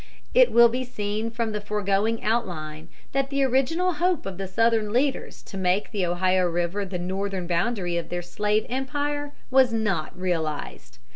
It will be seen from the foregoing outline that the original hope of the Southern leaders to make the Ohio River the northern boundary of their slave empire was not realized.